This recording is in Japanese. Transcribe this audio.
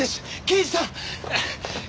刑事さん！